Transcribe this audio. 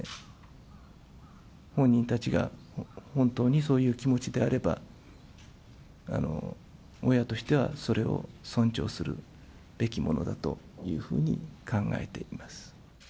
本人たちが本当にそういう気持ちであれば、親としてはそれを尊重するべきものだというふうに考えています。